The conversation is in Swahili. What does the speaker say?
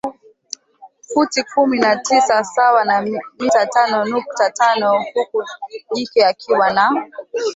futi kumi na tisa sawa na mita tano nukta tano huku jike akiwa na